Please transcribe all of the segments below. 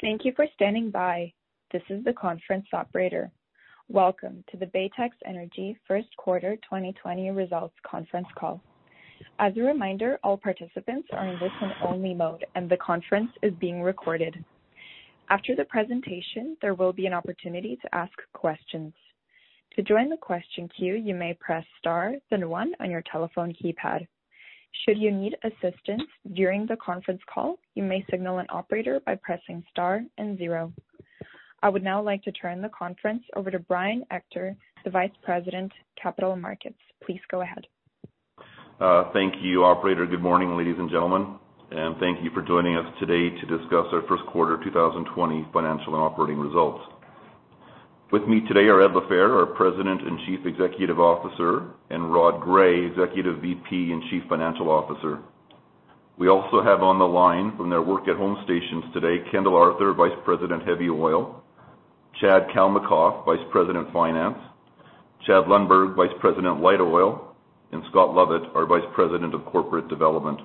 Thank you for standing by. This is the conference operator. Welcome to the Baytex Energy first quarter 2020 results conference call. As a reminder, all participants are in listen-only mode, and the conference is being recorded. After the presentation, there will be an opportunity to ask questions. To join the question queue, you may press star, then one on your telephone keypad. Should you need assistance during the conference call, you may signal an operator by pressing star and zero. I would now like to turn the conference over to Brian Ector, the Vice President, Capital Markets. Please go ahead. Thank you, Operator. Good morning, ladies and gentlemen. And thank you for joining us today to discuss our first quarter 2020 financial and operating results. With me today are Ed LaFehr, our President and Chief Executive Officer, and Rod Gray, Executive VP and Chief Financial Officer. We also have on the line from their work-at-home stations today, Kendall Arthur, Vice President, Heavy Oil; Chad Kalmakoff, Vice President, Finance; Chad Lundberg, Vice President, Light Oil; and Scott Lovett, our Vice President of Corporate Development.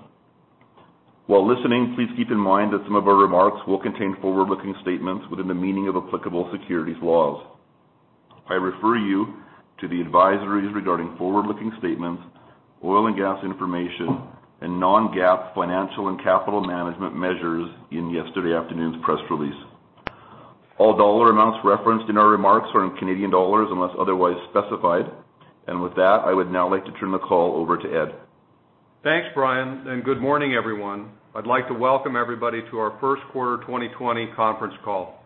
While listening, please keep in mind that some of our remarks will contain forward-looking statements within the meaning of applicable securities laws. I refer you to the advisories regarding forward-looking statements, oil and gas information, and non-GAAP financial and capital management measures in yesterday afternoon's press release. All dollar amounts referenced in our remarks are in Canadian dollars unless otherwise specified. With that, I would now like to turn the call over to Ed. Thanks, Brian. And good morning, everyone. I'd like to welcome everybody to our first quarter 2020 conference call.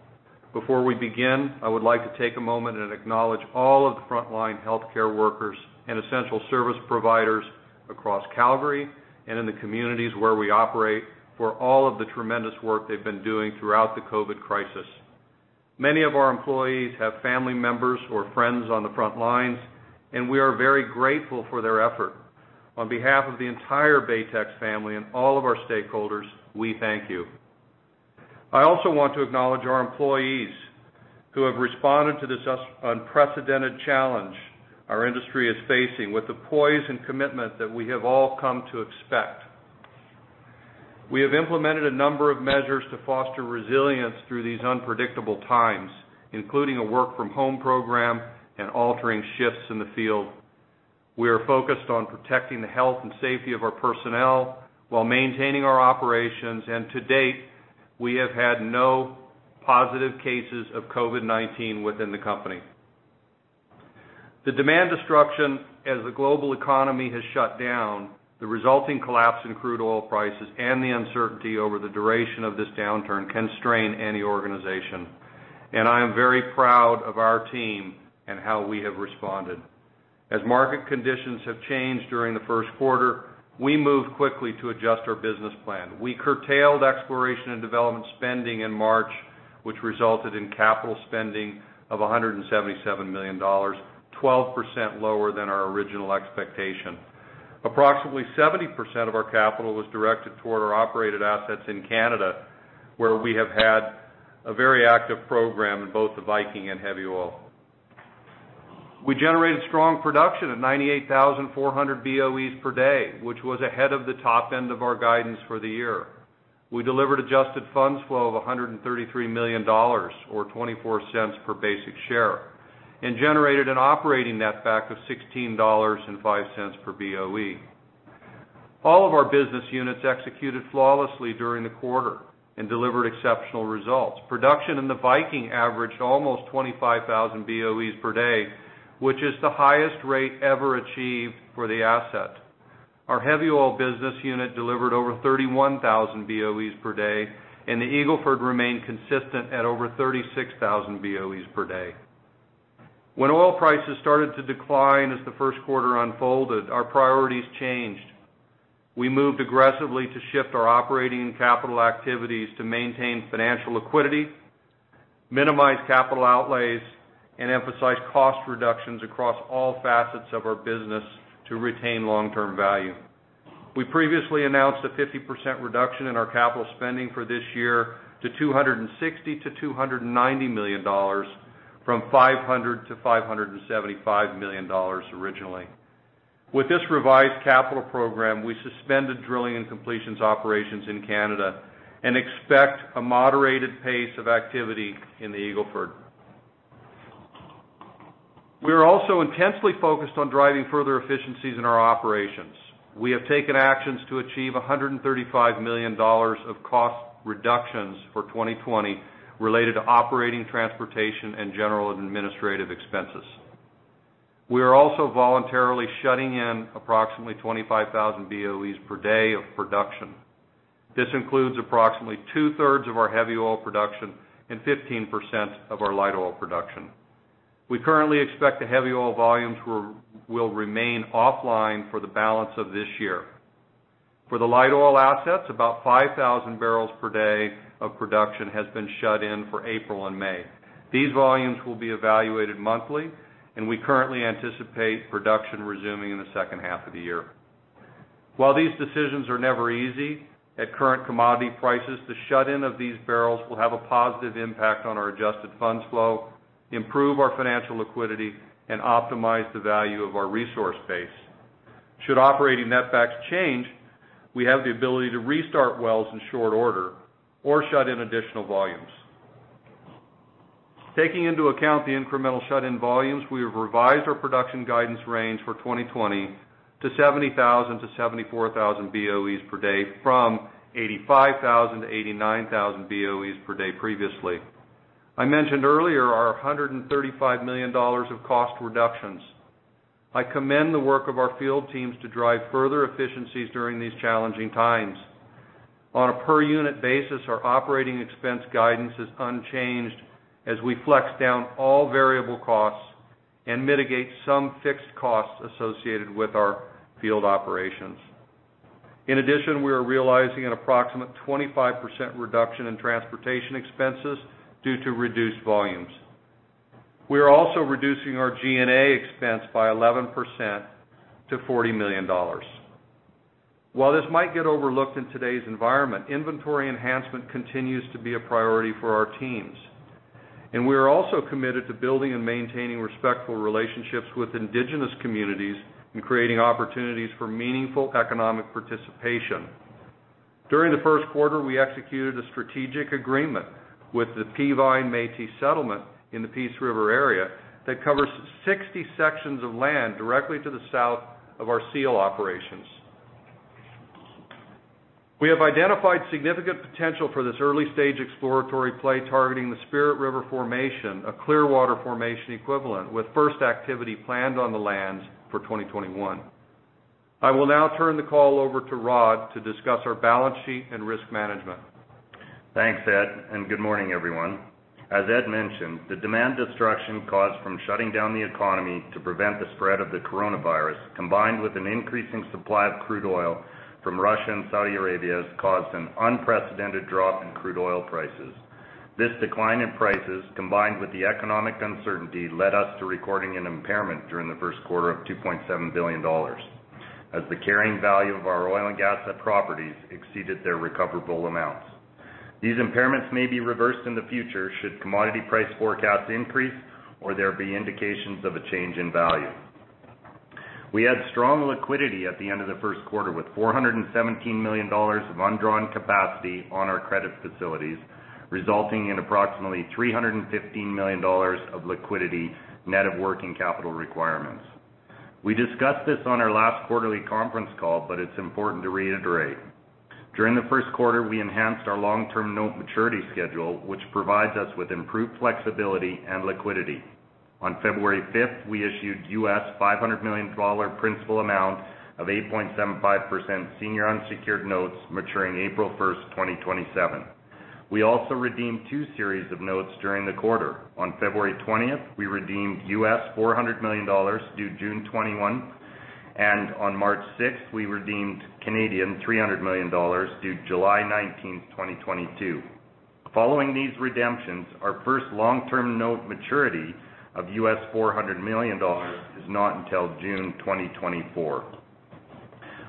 Before we begin, I would like to take a moment and acknowledge all of the frontline healthcare workers and essential service providers across Calgary and in the communities where we operate for all of the tremendous work they've been doing throughout the COVID crisis. Many of our employees have family members or friends on the frontlines, and we are very grateful for their effort. On behalf of the entire Baytex family and all of our stakeholders, we thank you. I also want to acknowledge our employees who have responded to this unprecedented challenge our industry is facing with the poise and commitment that we have all come to expect. We have implemented a number of measures to foster resilience through these unpredictable times, including a work-from-home program and altering shifts in the field. We are focused on protecting the health and safety of our personnel while maintaining our operations, and to date, we have had no positive cases of COVID-19 within the company. The demand destruction, as the global economy has shut down, the resulting collapse in crude oil prices, and the uncertainty over the duration of this downturn can strain any organization, and I am very proud of our team and how we have responded. As market conditions have changed during the first quarter, we moved quickly to adjust our business plan. We curtailed exploration and development spending in March, which resulted in capital spending of $177 million, 12% lower than our original expectation. Approximately 70% of our capital was directed toward our operated assets in Canada, where we have had a very active program in both the Viking and Heavy Oil. We generated strong production at 98,400 BOEs per day, which was ahead of the top end of our guidance for the year. We delivered adjusted funds flow of $133 million, or $0.24 per basic share, and generated an operating netback of $16.05 per BOE. All of our business units executed flawlessly during the quarter and delivered exceptional results. Production in the Viking averaged almost 25,000 BOEs per day, which is the highest rate ever achieved for the asset. Our Heavy Oil business unit delivered over 31,000 BOEs per day, and the Eagle Ford remained consistent at over 36,000 BOEs per day. When oil prices started to decline as the first quarter unfolded, our priorities changed. We moved aggressively to shift our operating capital activities to maintain financial liquidity, minimize capital outlays, and emphasize cost reductions across all facets of our business to retain long-term value. We previously announced a 50% reduction in our capital spending for this year to $260-$290 million, from $500-$575 million originally. With this revised capital program, we suspended drilling and completions operations in Canada and expect a moderated pace of activity in the Eagle Ford. We are also intensely focused on driving further efficiencies in our operations. We have taken actions to achieve $135 million of cost reductions for 2020 related to operating, transportation, and general administrative expenses. We are also voluntarily shutting in approximately 25,000 BOEs per day of production. This includes approximately two-thirds of our heavy oil production and 15% of our light oil production. We currently expect the heavy oil volumes will remain offline for the balance of this year. For the light oil assets, about 5,000 barrels per day of production has been shut in for April and May. These volumes will be evaluated monthly, and we currently anticipate production resuming in the second half of the year. While these decisions are never easy, at current commodity prices, the shut-in of these barrels will have a positive impact on our adjusted funds flow, improve our financial liquidity, and optimize the value of our resource base. Should operating netbacks change, we have the ability to restart wells in short order or shut in additional volumes. Taking into account the incremental shut-in volumes, we have revised our production guidance range for 2020 to 70,000 to 74,000 BOEs per day, from 85,000 to 89,000 BOEs per day previously. I mentioned earlier our 135 million dollars of cost reductions. I commend the work of our field teams to drive further efficiencies during these challenging times. On a per-unit basis, our operating expense guidance is unchanged as we flex down all variable costs and mitigate some fixed costs associated with our field operations. In addition, we are realizing an approximate 25% reduction in transportation expenses due to reduced volumes. We are also reducing our G&A expense by 11% to 40 million dollars. While this might get overlooked in today's environment, inventory enhancement continues to be a priority for our teams, and we are also committed to building and maintaining respectful relationships with indigenous communities and creating opportunities for meaningful economic participation. During the first quarter, we executed a strategic agreement with the Peavine Métis Settlement in the Peace River area that covers 60 sections of land directly to the south of our Seal operations. We have identified significant potential for this early-stage exploratory play targeting the Spirit River Formation, a Clearwater Formation equivalent, with first activity planned on the lands for 2021. I will now turn the call over to Rod to discuss our balance sheet and risk management. Thanks, Ed. And good morning, everyone. As Ed mentioned, the demand destruction caused from shutting down the economy to prevent the spread of the coronavirus, combined with an increasing supply of crude oil from Russia and Saudi Arabia, has caused an unprecedented drop in crude oil prices. This decline in prices, combined with the economic uncertainty, led us to recording an impairment during the first quarter of 2.7 billion dollars, as the carrying value of our oil and gas properties exceeded their recoverable amounts. These impairments may be reversed in the future should commodity price forecasts increase or there be indications of a change in value. We had strong liquidity at the end of the first quarter with 417 million dollars of undrawn capacity on our credit facilities, resulting in approximately 315 million dollars of liquidity net of working capital requirements. We discussed this on our last quarterly conference call, but it's important to reiterate. During the first quarter, we enhanced our long-term note maturity schedule, which provides us with improved flexibility and liquidity. On February 5th, we issued $500 million principal amount of 8.75% senior unsecured notes maturing April 1st, 2027. We also redeemed two series of notes during the quarter. On February 20th, we redeemed $400 million due June 21, and on March 6th, we redeemed 300 million Canadian dollars due July 19th, 2022. Following these redemptions, our first long-term note maturity of $400 million is not until June 2024.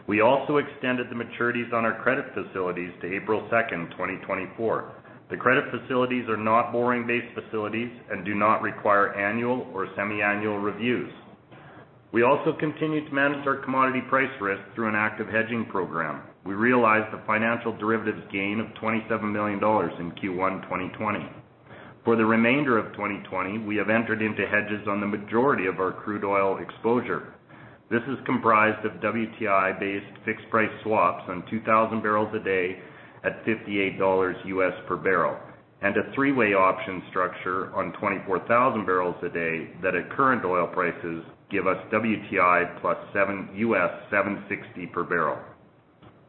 We also extended the maturities on our credit facilities to April 2nd, 2024. The credit facilities are not borrowing-based facilities and do not require annual or semiannual reviews. We also continue to manage our commodity price risk through an active hedging program. We realized the financial derivatives gain of $27 million in Q1 2020. For the remainder of 2020, we have entered into hedges on the majority of our crude oil exposure. This is comprised of WTI-based fixed price swaps on 2,000 barrels a day at $58 per barrel and a three-way option structure on 24,000 barrels a day that at current oil prices give us WTI plus $7.60 per barrel.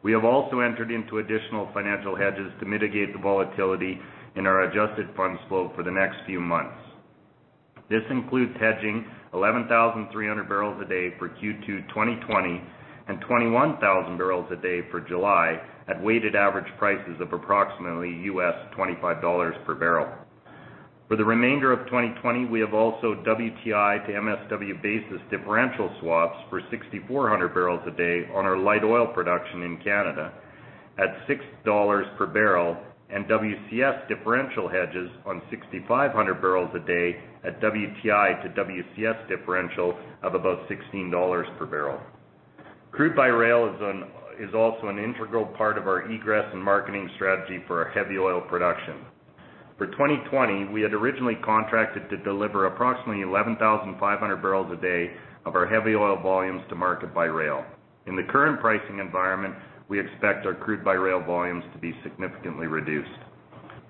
We have also entered into additional financial hedges to mitigate the volatility in our adjusted funds flow for the next few months. This includes hedging 11,300 barrels a day for Q2 2020 and 21,000 barrels a day for July at weighted average prices of approximately $25 per barrel. For the remainder of 2020, we have also WTI to MSW basis differential swaps for 6,400 barrels a day on our light oil production in Canada at $6 per barrel and WCS differential hedges on 6,500 barrels a day at WTI to WCS differential of about $16 per barrel. Crude by rail is also an integral part of our egress and marketing strategy for our heavy oil production. For 2020, we had originally contracted to deliver approximately 11,500 barrels a day of our heavy oil volumes to market by rail. In the current pricing environment, we expect our crude by rail volumes to be significantly reduced.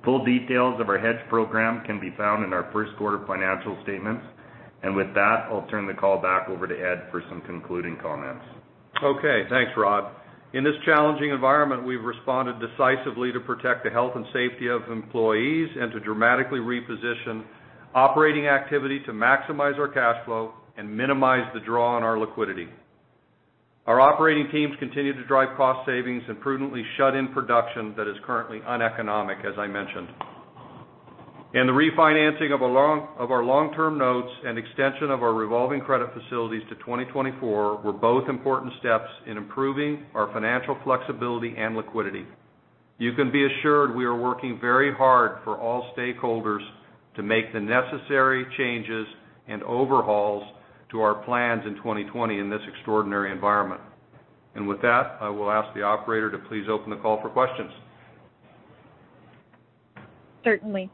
Full details of our hedge program can be found in our first quarter financial statements. And with that, I'll turn the call back over to Ed for some concluding comments. Okay. Thanks, Rod. In this challenging environment, we've responded decisively to protect the health and safety of employees and to dramatically reposition operating activity to maximize our cash flow and minimize the draw on our liquidity. Our operating teams continue to drive cost savings and prudently shut in production that is currently uneconomic, as I mentioned. And the refinancing of our long-term notes and extension of our revolving credit facilities to 2024 were both important steps in improving our financial flexibility and liquidity. You can be assured we are working very hard for all stakeholders to make the necessary changes and overhauls to our plans in 2020 in this extraordinary environment. And with that, I will ask the operator to please open the call for questions. Certainly.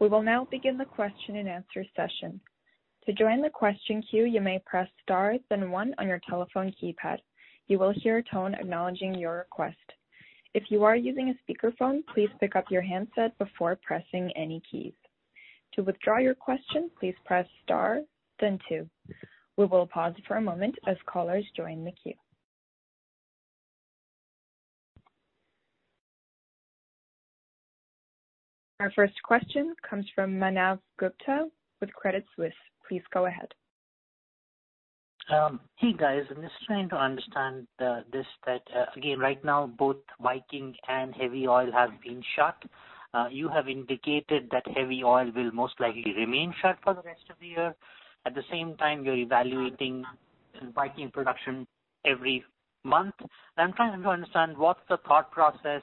We will now begin the question and answer session. To join the question queue, you may press star, then one on your telephone keypad. You will hear a tone acknowledging your request. If you are using a speakerphone, please pick up your handset before pressing any keys. To withdraw your question, please press star, then two. We will pause for a moment as callers join the queue. Our first question comes from Manav Gupta with Credit Suisse. Please go ahead. Hey, guys. I'm just trying to understand this that, again, right now, both Viking and heavy oil have been shut. You have indicated that heavy oil will most likely remain shut for the rest of the year. At the same time, you're evaluating Viking production every month. I'm trying to understand what's the thought process.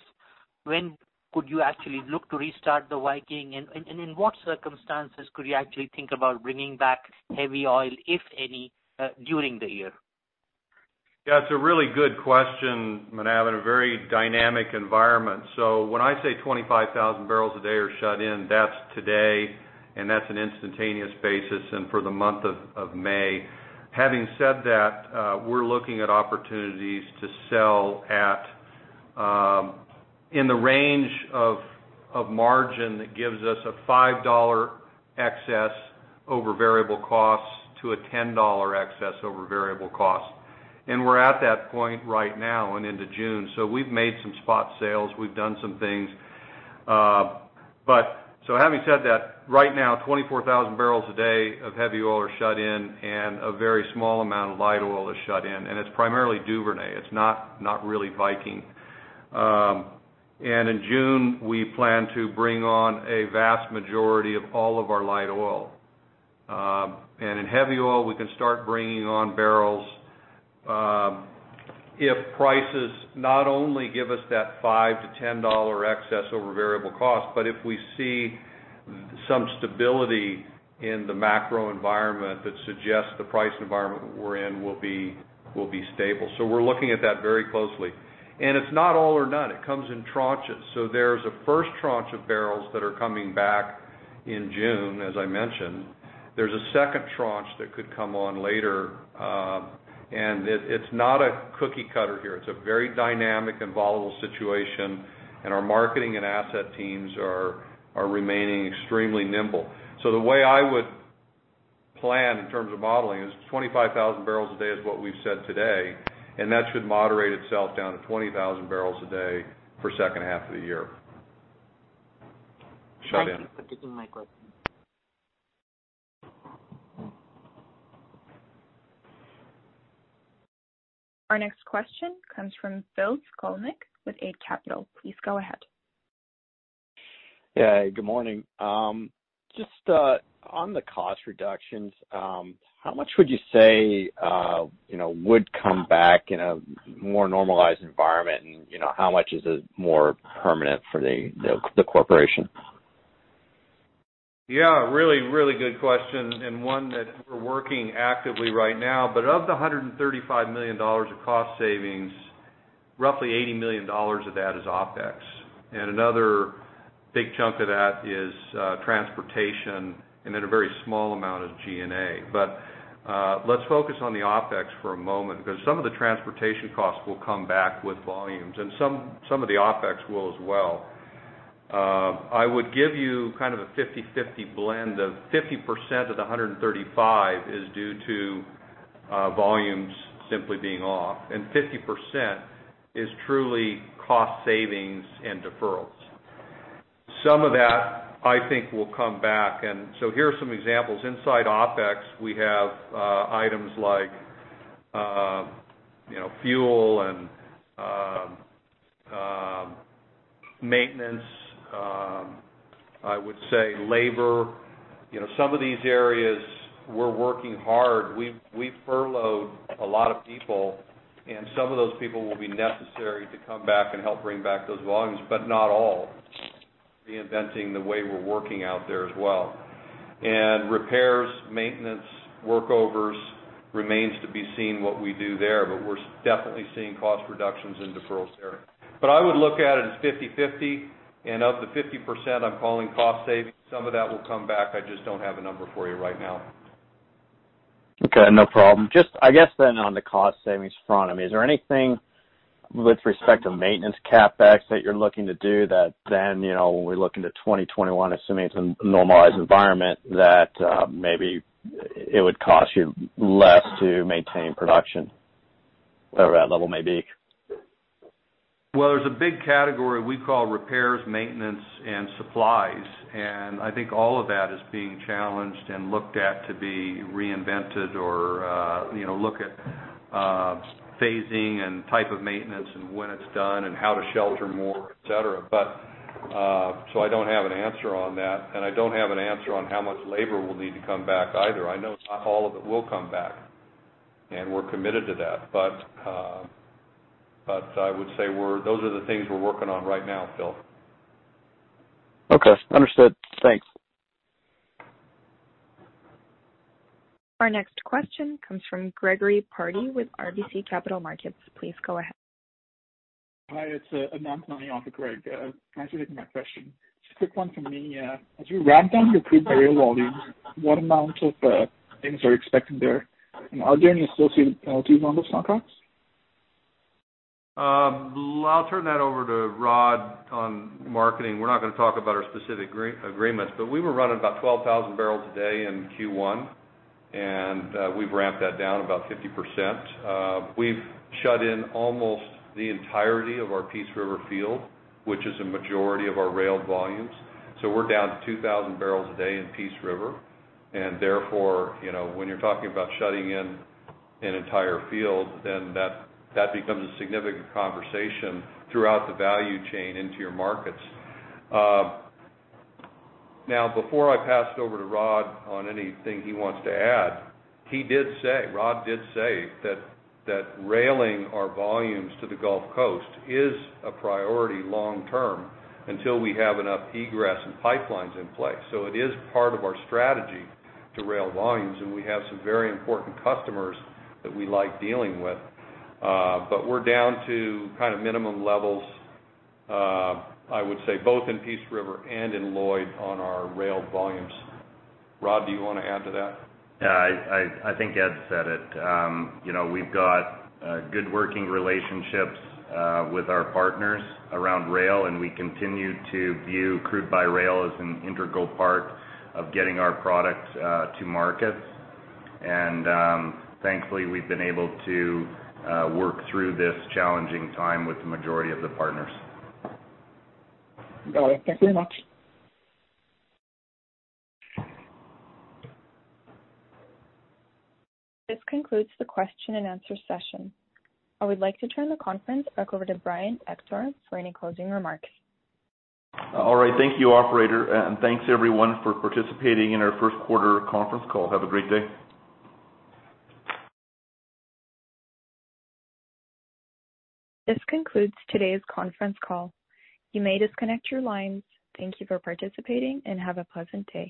When could you actually look to restart the Viking? And in what circumstances could you actually think about bringing back heavy oil, if any, during the year? Yeah. It's a really good question, Manav, in a very dynamic environment. So when I say 25,000 barrels a day are shut in, that's today, and that's an instantaneous basis and for the month of May. Having said that, we're looking at opportunities to sell at in the range of margin that gives us a $5-$10 excess over variable costs. And we're at that point right now and into June. So we've made some spot sales. We've done some things. But so having said that, right now, 24,000 barrels a day of heavy oil are shut in, and a very small amount of light oil is shut in. And it's primarily Duvernay. It's not really Viking. And in June, we plan to bring on a vast majority of all of our light oil. In heavy oil, we can start bringing on barrels if prices not only give us that $5-$10 excess over variable costs, but if we see some stability in the macro environment that suggests the price environment we're in will be stable. So we're looking at that very closely. And it's not all or none. It comes in tranches. So there's a first tranche of barrels that are coming back in June, as I mentioned. There's a second tranche that could come on later. And it's not a cookie cutter here. It's a very dynamic and volatile situation. And our marketing and asset teams are remaining extremely nimble. So the way I would plan in terms of modeling is 25,000 barrels a day is what we've said today. And that should moderate itself down to 20,000 barrels a day for the second half of the year. Thank you for taking my question. Our next question comes from Phil Skolnick with Eight Capital. Please go ahead. Yeah. Good morning. Just on the cost reductions, how much would you say would come back in a more normalized environment, and how much is it more permanent for the corporation? Yeah. Really, really good question and one that we're working actively right now, but of the 135 million dollars of cost savings, roughly 80 million dollars of that is OpEx and another big chunk of that is transportation and then a very small amount of G&A. But let's focus on the OpEx for a moment because some of the transportation costs will come back with volumes and some of the OpEx will as well. I would give you kind of a 50/50 blend of 50% of the 135 is due to volumes simply being off and 50% is truly cost savings and deferrals. Some of that, I think, will come back and so here are some examples. Inside OpEx, we have items like fuel and maintenance, I would say, labor. Some of these areas we're working hard. We furloughed a lot of people. And some of those people will be necessary to come back and help bring back those volumes, but not all. Reinventing the way we're working out there as well. And repairs, maintenance, workovers remains to be seen what we do there. But we're definitely seeing cost reductions and deferrals there. But I would look at it as 50/50. And of the 50%, I'm calling cost savings. Some of that will come back. I just don't have a number for you right now. Okay. No problem. Just, I guess, then on the cost savings front, I mean, is there anything with respect to maintenance CapEx that you're looking to do that then when we look into 2021, assuming it's a normalized environment, that maybe it would cost you less to maintain production? Whatever that level may be. There's a big category we call repairs, maintenance, and supplies. I think all of that is being challenged and looked at to be reinvented or look at phasing and type of maintenance and when it's done and how to shelter more, etc. I don't have an answer on that. I don't have an answer on how much labor will need to come back either. I know not all of it will come back. We're committed to that. I would say those are the things we're working on right now, Phil. Okay. Understood. Thanks. Our next question comes from Gregory Pardy with RBC Capital Markets. Please go ahead. Hi. It's, [inaudible] Greg. Thanks for taking my question. It's a quick one from me. As you run down your crude-by-rail volumes, what amounts are expected there? And are there any associated penalties on those spot ops? I'll turn that over to Rod on marketing. We're not going to talk about our specific agreements, but we were running about 12,000 barrels a day in Q1, and we've ramped that down about 50%. We've shut in almost the entirety of our Peace River field, which is a majority of our rail volumes, so we're down to 2,000 barrels a day in Peace River, and therefore, when you're talking about shutting in an entire field, then that becomes a significant conversation throughout the value chain into your markets. Now, before I pass it over to Rod on anything he wants to add, he did say, Rod did say that railing our volumes to the Gulf Coast is a priority long-term until we have enough egress and pipelines in place, so it is part of our strategy to rail volumes. We have some very important customers that we like dealing with. But we're down to kind of minimum levels, I would say, both in Peace River and in Lloyd on our rail volumes. Rod, do you want to add to that? Yeah. I think Ed said it. We've got good working relationships with our partners around rail. And we continue to view crude by rail as an integral part of getting our product to market. And thankfully, we've been able to work through this challenging time with the majority of the partners. Got it. Thank you very much. This concludes the question-and-answer session. I would like to turn the conference back over to Brian Ector for any closing remarks. All right. Thank you, operator. And thanks, everyone, for participating in our first quarter conference call. Have a great day. This concludes today's conference call. You may disconnect your lines. Thank you for participating and have a pleasant day.